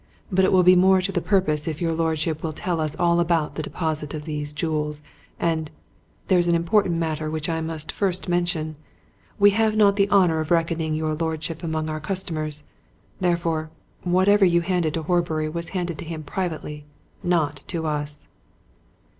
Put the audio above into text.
"But it will be more to the purpose if your lordship will tell us all about the deposit of these jewels. And there's an important matter which I must first mention. We have not the honour of reckoning your lordship among our customers. Therefore, whatever you handed to Horbury was handed to him privately not to us."